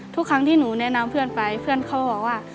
ทุกครั้งที่หนูแนะนำเพื่อนไปเพื่อนเขาบอกว่า